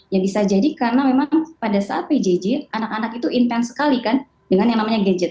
ya bisa jadi karena memang pada saat pjj anak anak itu intens sekali kan dengan yang namanya gadget